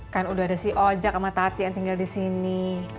kan udah ada si ojak sama tati yang tinggal disini